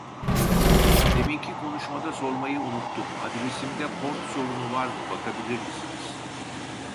Deminki konuşmada sormayı unuttum adresimde port sorunu var mı bakabilir misiniz